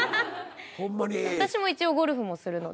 私も一応ゴルフもするので。